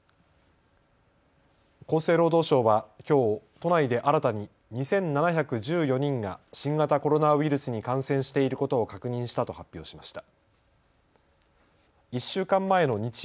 厚生労働省はきょう都内で新たに２７１４人が新型コロナウイルスに感染していることを確認したと発表しました。